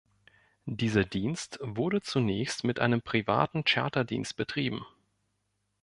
Dieser Dienst wurde zunächst mit einem privaten Charterdienst betrieben.